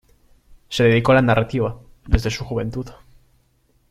Se dedicó a la narrativa, desde su juventud.